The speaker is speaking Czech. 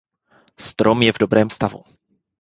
Strom je dobrém stavu.